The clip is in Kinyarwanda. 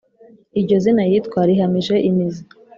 Iryo zina yitwa rihamije imizi